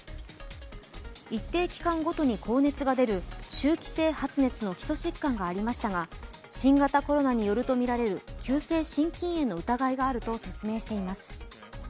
一定期間ごとに高熱が出る周期性発熱の基礎疾患がありましたが新型コロナによるとみられる急性心筋炎の疑いがあると説明しています。